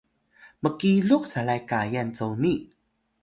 mkilux calay kayal coni